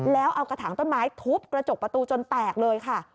แล้วเอากระถางต้นไม้ทุบกระจกประตูจนแตกเลยค่ะ